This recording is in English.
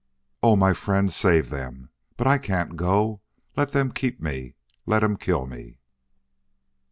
"Oh, my friend, save them! But I can't go.... Let them keep me! Let him kill me!"